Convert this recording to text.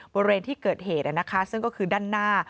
บริเวณที่เกิดเหตุซึ่งก็คือด้านหน้า